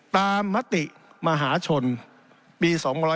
ตามมติมหาชนปี๒๕๙